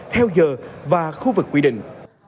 theo giờ và khu vực quy định